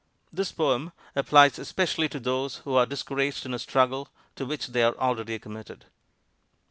This poem applies especially to those who are discouraged in a struggle to which they are already committed.